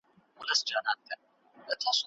ویټامینونه بدن قوي کوي.